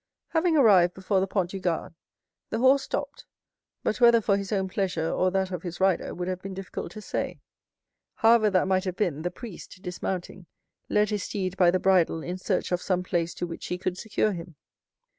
Having arrived before the Pont du Gard, the horse stopped, but whether for his own pleasure or that of his rider would have been difficult to say. However that might have been, the priest, dismounting, led his steed by the bridle in search of some place to which he could secure him.